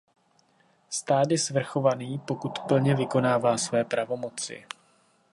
Stát je svrchovaný, pokud plně vykonává své pravomoci.